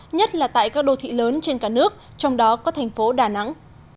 nhất là tại các đô thị lớn trên cả nước trong đó có thành phố đà nẵng